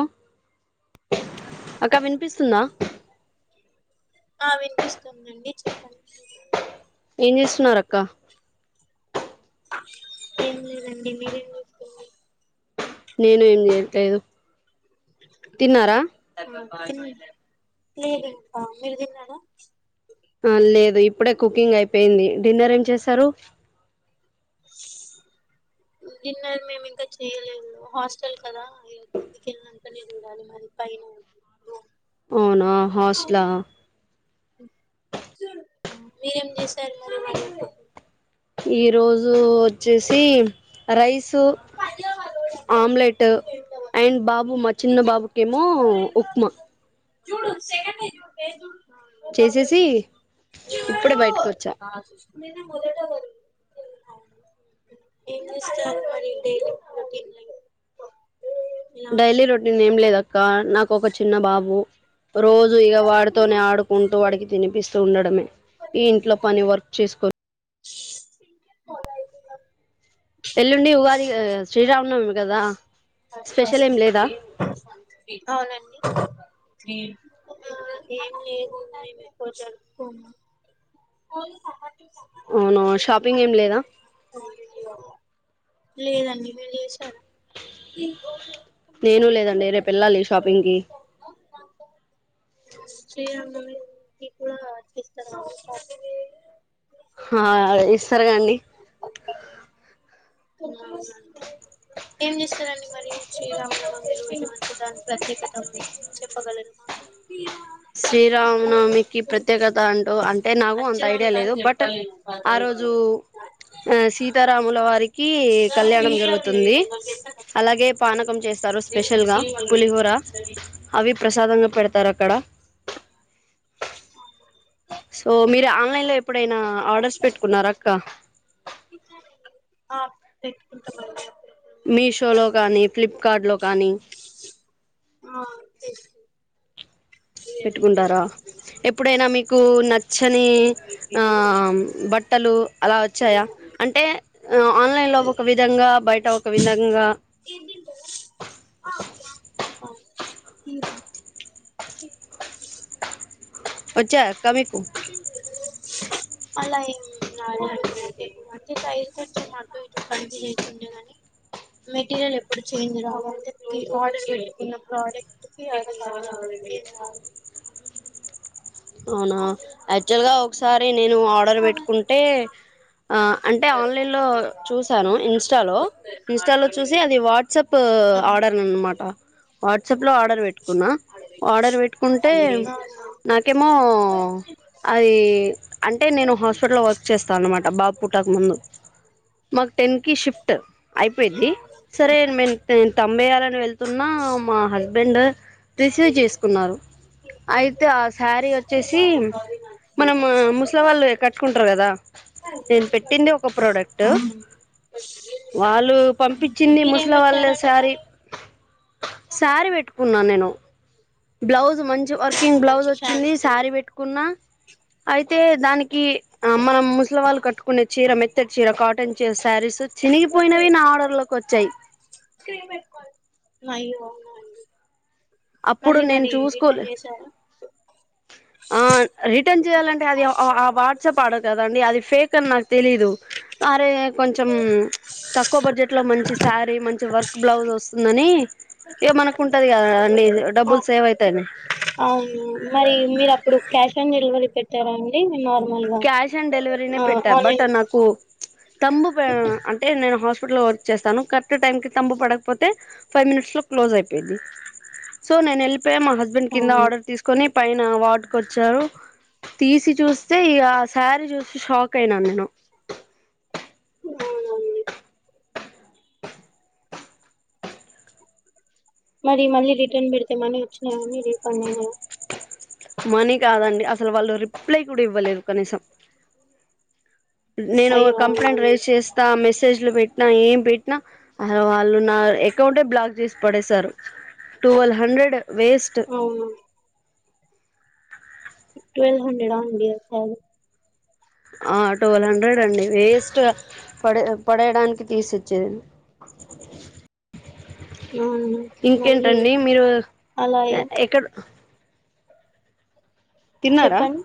అ అక్క వినిపిస్తుందా ఆ వినిపిస్తుందండి చెప్పండి ఏం చేస్తున్నారు అక్క ఏం లేదండి మీరేం చేస్తున్నా నేను ఏం చేయట్లేదు తిన్నారా అ తిన్ లేదు అక్కా మీరు తిన్నారా ఆ లేదు ఇప్పుడే కుకింగ్ అయిపెయింది డిన్నర్ ఏం చేసారు డిన్నర్ మేము ఇంకా చేయలేదు హాస్టల్ కదా కిందికెళ్ళినంకనే తినాలి మాది పైన ఉంది అవునా హాస్ట్లా మీరేం చేశారు మరి ఇవాళ ఈ రోజు వచ్చేసి రైసు ఆమ్లెటు అండ్ బాబు మా చిన్న బాబుకేమో ఉప్మా [unintelligible] చేసేసి ఇప్పుడే బయటకు వచ్చా ఏం చేసారు మరి డైలీ రోటీన్ [unintelligible] డైలీ రొటిన్ ఏం లేదక్క నాకు ఒక చిన్న బాబు రోజు ఇగ వాడితోనే ఆడుకుంటూ వాడికి తినిపిస్తూ ఉండడమే ఈ ఇంట్లో పని వర్క్ చేసుకో [inaudible] ఎల్లుండి ఉగాది కదా శ్రీరామనవమి [inaudible] కదా [inaudible] స్పెషల్ ఏం ఏమి లేదా లేదు ఏమి ఉన్నాయి పోలీస్ అతన అవును షాపింగ్ ఏం లేదా లేదండి మీరు చేసారా నేను లేదండి రేపు వెళ్లాలి షాపింగ్ కి శ్రీరంగమే మీ కూడా చేస్తారండి అది వే హా ఇస్తర కాండీ ఆ ఏం చేస్తారండి మరి శ్రీరామనవమి రోజు దాని ప్రత్యేకత మాకు దాని ప్రత్యేకత చెప్పగలరు మాకు శ్రీరామ నవమికి ప్రత్యేకత అంటూ అంటే నాకు అంత ఐడియా లేదు బట్ ఆ రోజు సీతారాముల వారికి కి కళ్యాణం జరుగుతుంది అలాగే పానకం చేస్తారు స్పెషల్ గా పులిహోర అవి ప్రసాదంగా పెడతారు అక్కడ అ సో మీరు ఆన్లైన్ లో ఎప్పుడైనా ఆర్డర్స్ పెట్టుకున్నారా అక్క ఆ పెట్టుకుంట మన్న ఎప్పుడన్నా మీషో లో కానీ ఫ్లిప్కార్ట్ లో కానీ ఆ తెసు పెట్టుకుంటారా ఎప్పుడైనా మీక ఉ నచ్చని బట్టలు అలా వచ్చాయా అంటే ఆన్లైన్లో ఒక విధంగా బయట విధంగా ఆ కీరా వచ్చారా కా మీకు అలా ఏం రాలేదు అండి అంటే సైజ కొంచెం అటు ఇటు కంటిన్యూ అవుతుండే కానీ మెటీరియల్ ఎప్పుడు చేంజ్ రావాలంటే నేనూ ఆర్డర్ పెట్టుకున్న ప్రొడక్ట్ కి అసలు అవునా యాక్చువల్గా ఒకసారి నేను ఆర్డర్ పెట్టుకుంటే అంటే ఆ అంటే ఆన్లైన్లో చూసాను ఇన్స్టాలో ఇన్స్టాలో చూసి అది వాట్సాప్ ఆర్డర్ అనమాట వాచ్ తుప్పు లో ఆర్డర్ పెట్టుకున్న ఆర్డర్ పెట్టుకుంటే ఏం రాదు కేమో అది అంటే నేను హాస్పిటల్లో వర్క్ చేస్తాను అన్నమాట బాబు పుట్టక ముందు మాకు టెన్కి షిఫ్ట్ అయిపోయిద్ది సరే నేను నేను తంబు వెయ్యాలని వెళ్ స్తున్నా మా హస్బెండ్ రిసీవ్ చేసుకున్నారు అయితే ఆస్ సారి వచ్ వచ్చేసి మనం ముసల వాళ్ళు కట్టుకుంటరు కదా నేను పెట్టింది ఒక ప్రోడక్ట్ వాళ్ళు పంపి చింది మీరేం ముసల వాళ్ళ పెట్టారండి సారీ మరి సారీ పెట్టుకున్నా నేను బ్లౌజ్ మంచి వర్కింగ్ బ్లౌజ్ మంచి వచ్చింది ఫ్యాన్సీ శారీ పెట్టుకున్నా అయితే దానికి అ మనం ముసళ కట్టు కొనే చీర మెత్తటి చీర కాటన్ చీ శారీస్ చినిగిపోయినవి నా ఆర్డర్ లోకి వచ్చాయి అయ్యో అవునా అండి అప్పుడు మళ్ళీ నేను మరి చూసుకోలే రిటర్న్ చేశారు ఆ రిటర్న్ చేయాలంటే అది ఆ ఆ ఆ వాట్సాప్ ఆడదు కదండి అది ఫేక్ క్ అని నాకు తెలీదు అరే కొంచెం తక్కువ ఎక్వ బడ్జెట్ లో మంచి శారీ మంచి వర్క్ బ్లౌజ్ వస్తుందని ఇగ మనకు ఉంటది కదా అండి డబ్బులు సేవ్ అయితాని అవును మరి మీరు అప్పుడు క్యాష్ ఆన్ డెలివరీ పెట్ ట్టరా అండి ఇన్నాళ్ళు క్యాష్ ఆన్ డెలివరీనేే పెట్ట బట్ ఆ నాకు తంబు పే అంటే నేను హాస్పిటల్లో వర్క్ చేస్తాను కట్ ట్ టైమ్ కి తంబు పడకపోతే ఫైవ్ మినిట్స్లో క్లోజ్ అయిపోయిది సో నేను ఎల్ తే మా హస్బెండ్ కింద అవును ఆర్డర్ తీసుకొని పైన అ వార్డుకొచ్చారు తీసి చూస్ తే ఇగ ఆ సారీ చూసి షాక్ అయినా నేను ఆ మరి మళ్ళీ రిటర్న్ పెడితే మనీ వచ్చినాయి కానీ రీఫండ్ అయినీయా మనీ కాదండి అసలు వాళ్ళు రిప్లై కూడా ఇవ్వలేదు కనీసం. నేను అయ్యో అవునా కంప్లైంట్ అండి రైజ్ చేస్తా మెస్. మెసేజ్లు పెట్టినా ఏం పెట్టినా అ వాళ్ళు నా అకౌంటే బ్లాక్ చేసి పడేసారు టువెల్ హండ్రెడ్. వేస్ట్ అవునా ట్వల్వ్ హండ్రెడ్ ఆండి అసలు ఆ ట్వల్వ్ హండ్రెడ్ అండి వేస్ట్ గా పడే పడేడానికి తీసిచ్చేను అవును మళ్ళీ ఇంకేంటండి మీర్ అలా ఎక్కడ తిన్నారా చెప్పండి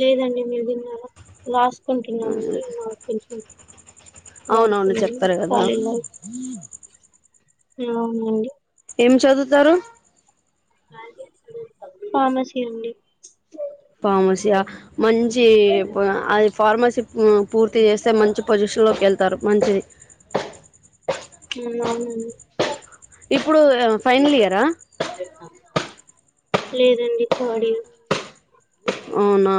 లేదండి మీరు తిన్నారా లాస్ట్ కుంటున్నానండి మాకు కొంచెం వర్క్ అవునవును వుంది చెప్పారు కదా ఖాళీ లేదు ఎలావున్నారండీ ఎం చదువుతారు ఫార్మసీ అండి ఫార్మసియా మంచి అది ఫార్మసీ పూర్తి చేస్తే మంచి పోసిషన్ లోకేళ్తారు మంచిది ఉమ్, అవునండి ఇప్పుడు ఫైనల్ ఇయర్ ఆ లేదండి థర్డ్ఇయర్ అవునా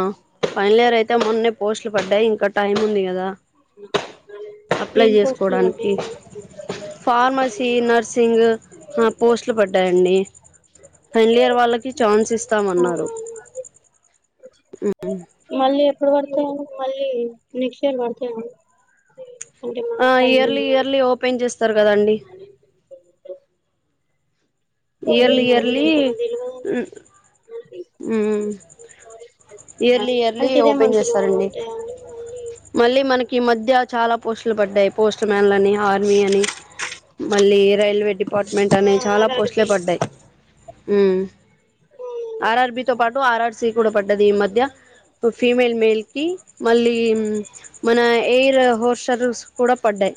ఫైనల్ ఇయర్ అయితే మొన్నే పోస్ట్లు పడ్డాయి ఇంకా టైమ్ ఉంది కదా అప్లై ఏం పోస్టులు చేసుకోడానికి పడ్డాయండి ఫార్మసీ నర్సింగ్ పోస్ట్ లు పడ్డాయండి మళ్ళీ అవ వాళ్ళకి చాన్స్ ఇస్తామన్నారు అవునా ఉమ్ మళ్ళీ ఇప్పుడు పడ్తయ మళ్ళీ నెక్స్ట్ ఇయర్ పడ్తయ ఆ ఇయర్లీ ఇయర్లీ ఓపెన్ చేస్త వస్తారు కదండి అండి ఇయర్లీ ఇయర్లీ మకదేల్వాదు అండి ఉమ్ ఇయర్లీ ఇయర్లీ అంటే ఇదే ఓపెన్ మంత్లో చేస్తారండి ఉంటాయండి మళ్ళీ మళ్ళీ మన కి మధ్య చాలా పోస్టులు పడ్డాయి పోస్ట్ మ్యాన్లు అని ఆర్మీ అని మళ్ళీ రైల్వే డిపార్ట్మెంట్ ఆ అని చాలా ఆర్ఆర్ పోస్ట్లే బి పడ్డాయి ఉమ్ అవునండి ఆర్ ఆర్ బి తో పాటు ఆర్ ఆర్ సి కూడా పడ్డది ఈ మధ్య ఫీమేల్ మేల్ కి మళ్ళీ మన ఎయిర్ హోస్టర్స్ కూడా పడ్డాయి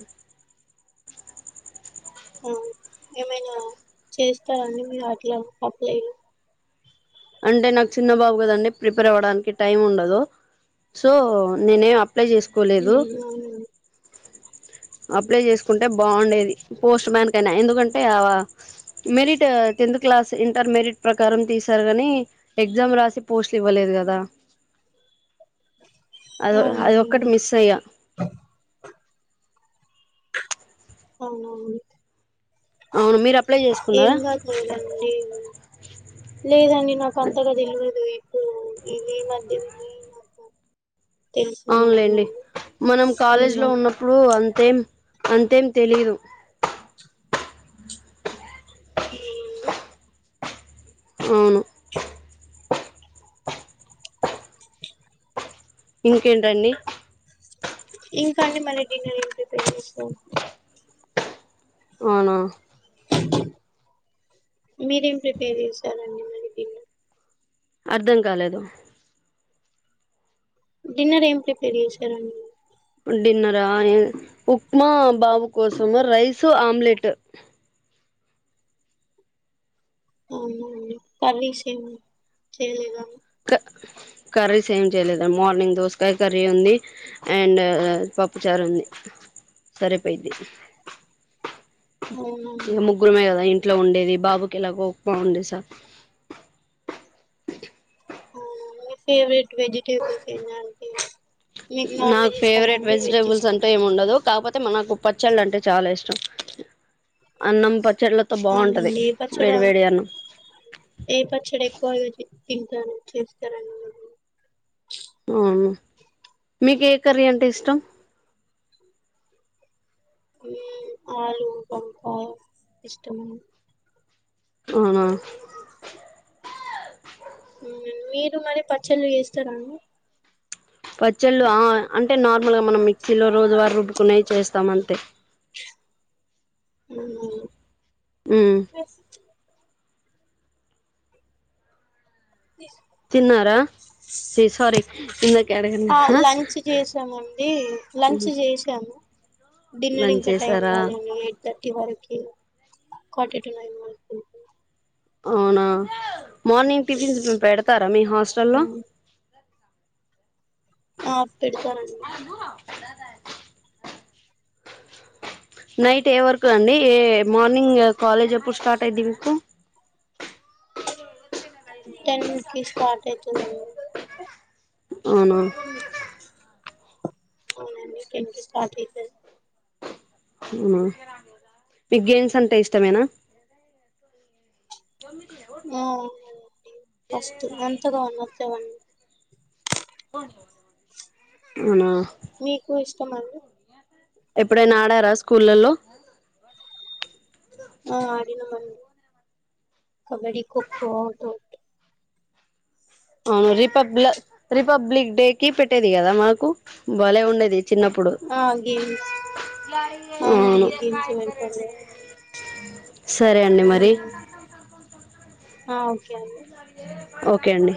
ఆ ఏమైనా చేస్తారాండి మీరు అట్లా అప్లైలు అంటే నాకు చిన్న బాబు కదండి ప్రిపేర్ అవ్వడానికి టైం ఉండదు సో నేనే అప్ అప్లై చేసుకోలేదు అవునండి అప్లై చేసుకుంటే బాగుండేది పోస్ట్ మ్యాన్ కైనా ఎందుకంటే merit tenth class inter merit ప్రకారం తీసారు కాని ఎగ్జామ్ రాసి పోస్ట్లు ఇవ్వలేదు కదా అద అది అవునండి అవును ఒక్కటి మిస్ అయ్యా అవునవును అవును మీరు అప్లై చేసుకున్నారా ఏమి కాదులేయండి లేదండి నాకు అంతగా తెలియదు ఇవి మద్య అవున్లెండి మనం కాలేజ్ అవునా లో అవునండి ఉన్నప్పుడు అ అంతేం అంతేం తెలీదు మోగొల్లు అవును ఇంకేంటండి ఇంకా అండి మళీ డిన్నర్ ఏం డిన్నర్ ఏం ప్రిపేర్ చేసి నార్ అవున మీరేం ప్రిపేర్ చేశారండి మరి డిన్నర్ అర్ధం కాలేదు డిన్నర్ ఏం ప్రిపేర్ చేశారండి డిన్నరా ఉప్మా బాబు కోసం రైస్ ఆమ్లెట్ అ అవున కర్రీస్ ఏమి చేయలేదా అవునండి క కర్రీస్ ఏం చేయలేదు మార్నింగ్ దోసకాయ కర్రీ ఉంది అండ్ పప్పుచారు ఉంది సరిపోయిది అవునా ఏ ముగ్గురు మే కదా ఇంటి ఇంట్లో ఉండేది బాబుకి ఎలాగో ఉప్మా వండేస ఆ మీ ఫేవరెట్ వెజిటేబుల్స్ ఏమి అంటీ నాకు ఫేవరెట్ వెజిటబుల్స్ అంటే ఇష్టమా ఏమి ఉండదు కాకపోతే మనకు పచ్చళ్ళు అంటే చాలా ఇష్టం అన్నం పచ్చళ్ళతో అవునండి బాగుంటది ఏ పచ్చడా వేడి వేడి అన్నం ఏ పచ్చడి ఎక్కువ తింటారు చేస్తారండి మీరు అవును మీకు ఏ కర్రీ అంటే ఇష్టం ఉ ఆలు వంకాయ ఇష్టము అవునా మీరు మరి పచ్చళ్ళు చేస్తారండి పచ్చళ్ళు ఆ అంటే నార్మల్ గా మనం మిక్సీలో రోజువారు రుబ్బకునేవి చేస్తాం అంతే ఉ మ్ వేసతి తిన్నారా సారీ ఇందాకే అడిగాను ఆ కదా లంచ్ చేసామండి ఉ లంచ్ చేసాము డిన్నర్ ఇంకా టైం కాలేదు థర్టీ వరకే ఫర్టీ టు నైన్ వరకు అవునా మార్నింగ్ టిఫిన్స్ పెడతారా మీ హాస్టల్లో ఆ పెడతారండి నైట్ ఏ వరకు అండి ఏ మార్నింగ్ కాలేజ్ ఎప్పుడు స్టార్ట్ అయ్యిద్ది మీకు టెన్ కి స్టార్ట్ అయితదండీ అవునా అవునండి టెన్ కి స్టార్ట్ అయితది మ్మ్ మీకు గేమ్స్ అంటే ఇష్టమేనా ఆ అవును అండి ఫస్ట్ మంత్ గా అన్న అప్ చామండి అవునా త మంది ఎప్పుడైనా ఆడారా స్కూళ్ళల్లో ఆ ఆడినమండి కబడ్డీ ఖో ఖో [unintelligible] అవును రిపబ్ల రిపబ్లిక్ డే కి పెట్టేది కదా మనకు బలే ఉండేది చిన్నప్పుడు ఆ గేమ్స్ అవును అవునండి గేమ్స్ పెడతారు కదా సరే అండి మరి అవునండి ఆ ఓకే అ ఓకే అండి